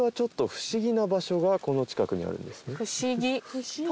不思議？